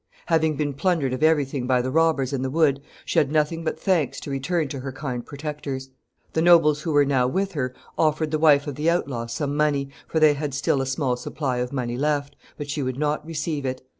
Having been plundered of every thing by the robbers in the wood, she had nothing but thanks to return to her kind protectors. The nobles who were now with her offered the wife of the outlaw some money for they had still a small supply of money left but she would not receive it.